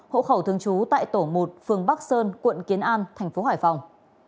hỗ khẩu thương chú tại tổ một phường bắc sơn quận kiến an tp hải phòng